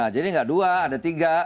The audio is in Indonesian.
jadi tidak dua ada tiga